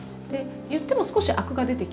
いっても少しアクが出てきます。